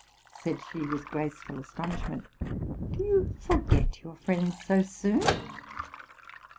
said she, with graceful astonishment, '' co you forget your friends so soon?